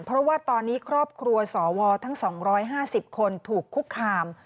เพราะว่าตอนนี้ครอบครัวสวทั้ง๒๕๐คนถูกคุกคาม